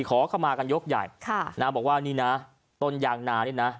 ขอเข้ามากันยกใหญ่ค่ะนะบอกว่านี่นะต้นยางนานี่นะ